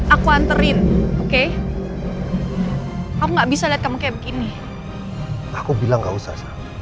aku anterin oke kamu nggak bisa lihat kamu kayak begini aku bilang gak usah